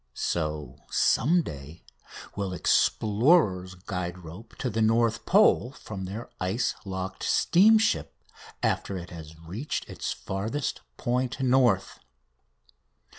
So, some day, will explorers guide rope to the North Pole from their ice locked steamship after it has reached its farthest point north.